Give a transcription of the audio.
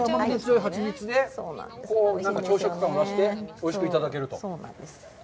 ハチミツで朝食感を出して、おいしくいただけると。